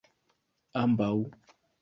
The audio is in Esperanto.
ambaŭ